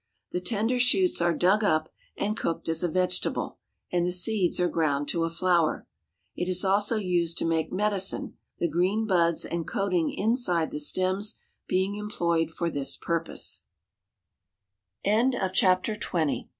The tender shoots are dug up and cooked as a vegetable, and the seeds are ground to a flour. It is also used to make medicine, the green buds and coat ing inside the stems being employed for thi